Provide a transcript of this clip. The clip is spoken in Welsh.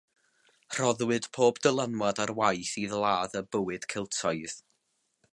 Rhoddwyd pob dylanwad ar waith i ladd y bywyd Celtaidd.